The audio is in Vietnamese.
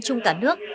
trung cả nước